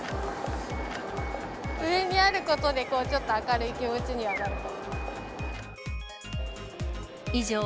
上にあることで、ちょっと明るい気持ちにはなると思う。